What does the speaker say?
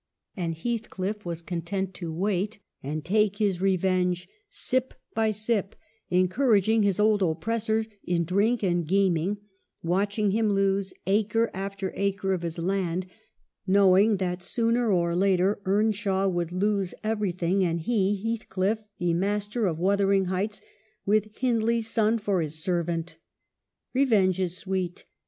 And Heathcliff was content to wait and take his revenge sip by sip, encouraging his old oppressor in drink and gaming, watching him lose acre after acre of his land, knowing that sooner or later Earnshaw would lose everything, and he, Heathcliff, be master of Wuthering Heights, with Hindley's son for his servant. Revenge is sweet.